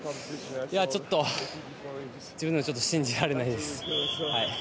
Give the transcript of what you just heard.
ちょっと自分でも信じられないです。